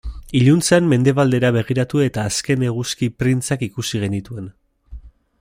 Iluntzean mendebaldera begiratu eta azken eguzki printzak ikusi genituen.